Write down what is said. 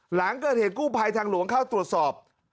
หลังเกิดเหตุกู้ภัยทางหลวงเข้าตรวจสอบ